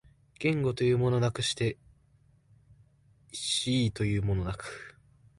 言語というものなくして思惟というものなく、